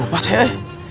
mas ya eh